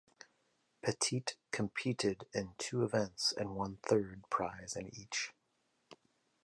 Petit competed in two events and won third prize in each.